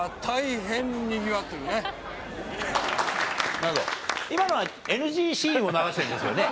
なるほど今のはＮＧシーンを流してるんですよね？